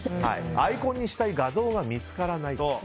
アイコンにしたい画像が見つからない。